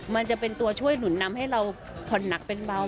มันจะเป็นตัวช่วยหนุนนำให้เราผ่อนหนักเป็นเบา